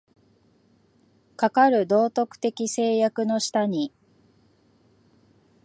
かかる道徳的制約の下に、